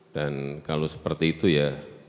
dan kalau seperti itu ya